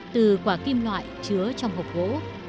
từ quả kim loại chứa trong hộp gỗ